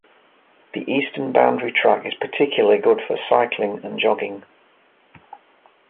The eastern boundary track is particularly good for cycling and jogging.